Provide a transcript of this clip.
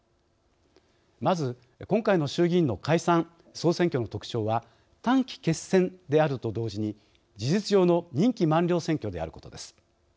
まず、今回の衆議院の解散・総選挙の特徴は短期決戦であると同時に事実上の任期満了選挙であることです。